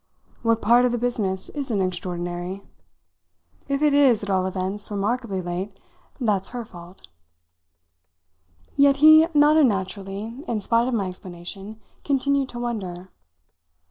What part of the business isn't extraordinary? If it is, at all events, remarkably late, that's her fault." Yet he not unnaturally, in spite of my explanation, continued to wonder.